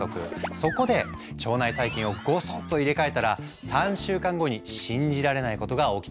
そこで腸内細菌をごそっと入れ替えたら３週間後に信じられないことが起きたんだ。